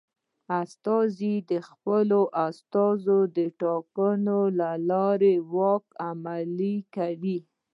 استازي د خپلو استازو د ټاکنې له لارې واک عملي کوي.